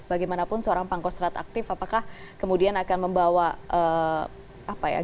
bagaimanapun seorang pangkos terat aktif apakah kemudian akan membawa gaya